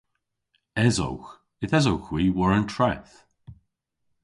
Esowgh. Yth esowgh hwi war an treth.